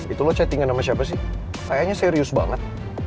itu lo chattingan sama siapa sih sayangnya serius banget